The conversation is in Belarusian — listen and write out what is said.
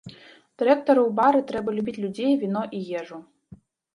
Дырэктару ў бары трэба любіць людзей, віно і ежу.